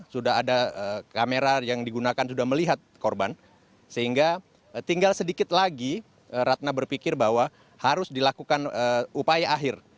sudah ada kamera yang digunakan sudah melihat korban sehingga tinggal sedikit lagi ratna berpikir bahwa harus dilakukan upaya akhir